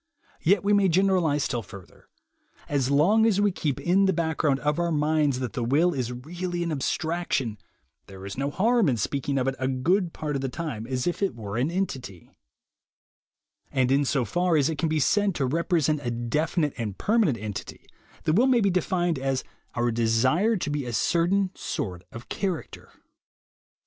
Yet we may generalize still further. As long as we keep in the background of our minds that the will is really an abstraction, there is no harm in speaking of it a good part of the time as if it were an entity; and insofar as it can be said to represent a definite and permanent entity, the will may be defined as our desire to be a certain sort of character.